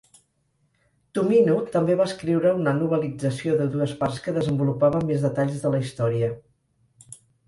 Tomino també va escriure una novel·lització de dues parts que desenvolupava més detalls de la història.